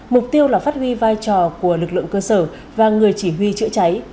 mục tiêu là phát huy vai trò của lực lượng cơ sở và người chỉ huy chữa cháy